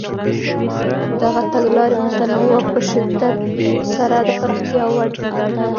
دغه تګلارې متنوع او په شدت سره د پراختیا وړ دي.